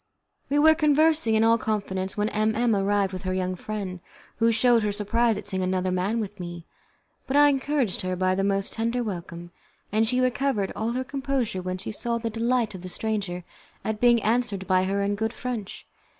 We were conversing in all confidence when M M arrived with her young friend, who showed her surprise at seeing another man with me, but I encouraged her by the most tender welcome; and she recovered all her composure when she saw the delight of the stranger at being answered by her in good French.